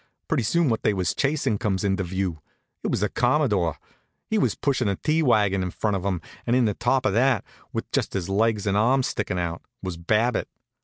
Pretty soon what they was chasin' comes into view. It was the Commodore. He was pushin' the tea wagon in front of him, and in the top of that, with just his legs and arms stickin' out, was Babbitt.